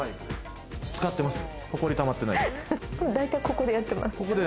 使ってます？